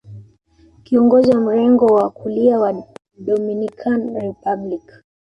Kiongozi wa mrengo wa kulia wa Dominican Republic